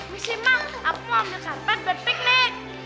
missi ma aku ambil saran pet buat piknik